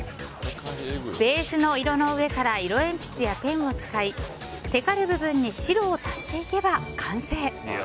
ベースの色の上から色鉛筆やペンを使いテカる部分に白を足していけば完成。